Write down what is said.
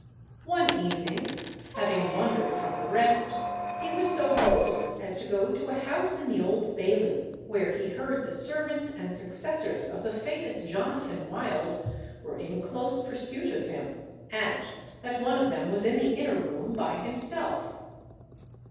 One evening having wandered from the rest, he was so bold as to go to a house in the Old Bailey, where he heard the servants and successors of the famous Jonathan Wild were in close pursuit of him, and that one of them was in the inner room by himself.